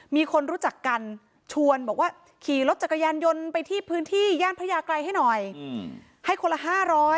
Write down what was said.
มีคนรู้จักกันชวนบอกว่าขี่รถจักรยานยนต์ไปที่พื้นที่ย่านพระยาไกรให้หน่อยให้คนละ๕๐๐